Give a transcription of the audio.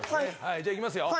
じゃあいきますよ。